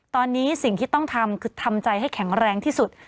ตอนนี้สิ่งที่ต้องทำคือทำใจให้แข็งแรงที่สุด